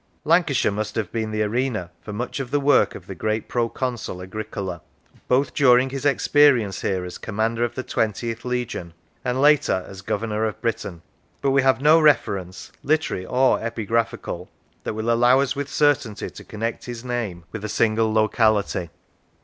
Lancashire must have been the arena for much of the work of the great proconsul Agricola, both during his experience here as commander of the Twentieth Legion, and later as Governor of Britain, but we have no reference, literary or epigraphical, that will allow us with certainty to connect his name with a single 44 How It Came into Being locality.